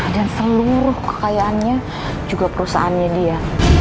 dan seluruh kekayaannya juga perusahaannya dia